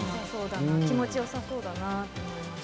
気持ちよさそうだなと思いま